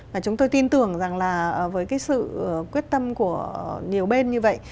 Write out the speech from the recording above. và chúng tôi tin tưởng rằng là với cái sự quyết tâm của nhiều bên như vậy